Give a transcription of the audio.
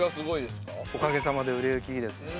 おかげさまで売れ行きいいですね。